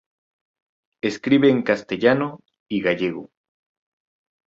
Escribe en castellano y gallego.